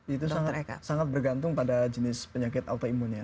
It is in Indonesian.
itu sangat bergantung pada jenis penyakit otoimun ya